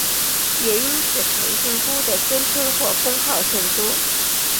也因此陈靖姑的尊称或封号甚多。